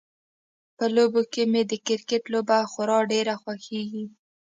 په لوبو کې مې د کرکټ لوبه خورا ډیره خوښیږي